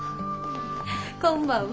こんばんは。